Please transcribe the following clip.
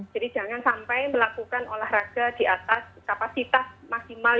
jadi jangan sampai melakukan olahraga di atas kapasitas maksimal